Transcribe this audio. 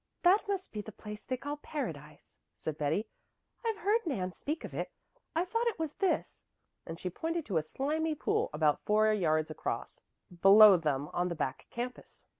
"That must be the place they call Paradise," said Betty. "I've heard Nan speak of it. I thought it was this," and she pointed to a slimy pool about four yards across, below them on the back campus.